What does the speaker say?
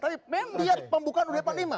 tapi membiarkan pembukaan ud empat puluh lima